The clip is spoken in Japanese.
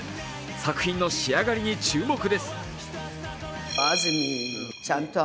作品の仕上がりに注目です。